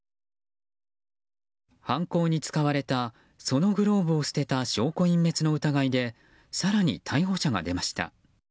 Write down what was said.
犯行に使われたそのグローブを捨てた証拠隠滅の疑いで更に逮捕者が出ました。